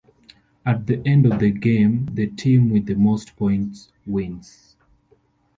At the end of the game, the team with the most points wins.